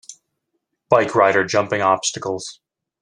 Bike rider jumping obstacles.